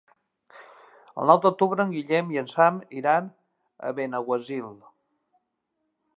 El nou d'octubre en Guillem i en Sam iran a Benaguasil.